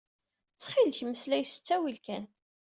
Ttxil-k, mmeslay s ttawil kan.